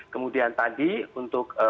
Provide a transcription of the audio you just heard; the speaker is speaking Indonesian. kemudian tadi untuk pak